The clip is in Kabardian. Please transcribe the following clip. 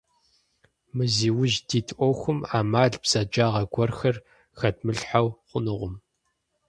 Мы зи ужь дит Ӏуэхум Ӏэмал, бзэджагъэ гуэрхэр хэдмылъхьэу хъунукъым.